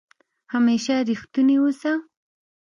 همېشه ریښتونی اوسه